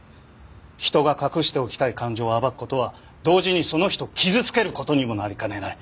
人が隠しておきたい感情を暴く事は同時にその人を傷つける事にもなりかねない。